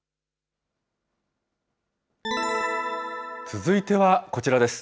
続いてはこちらです。